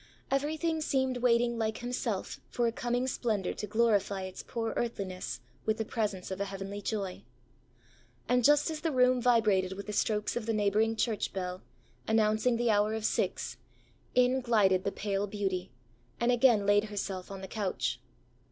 Everything seemed waiting like himself for a coming splendour to glorify its poor earthliness with the presence of a heavenly joy. And just as the room vibrated with the strokes of the neighbouring church bell, announcing the hour of six, in glided the pale beauty, and again laid herself on the couch.